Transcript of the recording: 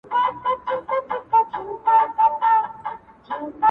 لکه سرو معلومداره په چمن کي-